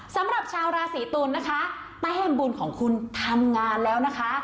สำหรับชาวราศีตุลนะคะแต้มบุญของคุณทำงานแล้วนะคะ